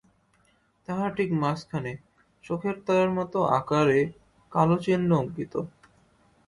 তাহার ঠিক মাঝখানে চোখের তারার মতো আকারে কালো চিহ্ন অঙ্কিত।